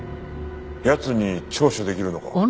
奴に聴取できるのか？